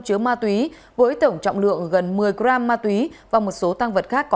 chứa ma túy với tổng trọng lượng gần một mươi gram ma túy và một số tăng vật khác